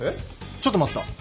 ちょっと待った。